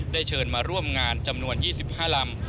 เชิญมาร่วมงานจำนวน๒๕ลำ